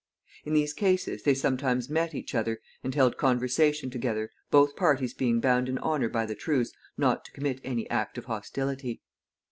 In these cases they sometimes met each other, and held conversation together, both parties being bound in honor by the truce not to commit any act of hostility.